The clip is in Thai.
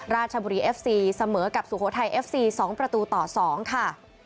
ราชบุรีเอฟซีเสมอกับสุโขทัยเอฟซี๒ประตูต่อ๒ค่ะ